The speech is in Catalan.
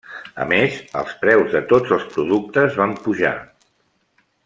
A més els preus de tots els productes van pujar.